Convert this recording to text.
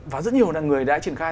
và rất nhiều người đã triển khai